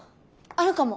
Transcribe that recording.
あるかも！